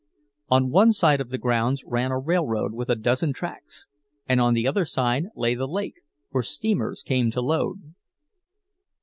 On one side of the grounds ran a railroad with a dozen tracks, and on the other side lay the lake, where steamers came to load.